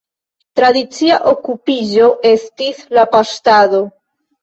Tradicia okupiĝo estis la paŝtado.